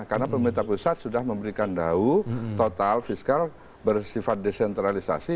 karena pemerintah pusat sudah memberikan dau total fiskal bersifat desentralisasi